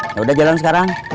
yaudah jalan sekarang